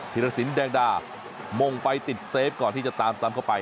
รสินแดงดามงไปติดเซฟก่อนที่จะตามซ้ำเข้าไป